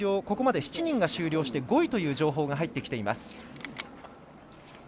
ここまで７人が終了して、５位という情報が入ってきています。